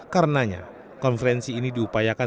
karenanya konferensi ini diupayakan